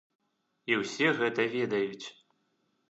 І ўсе гэта ведаюць.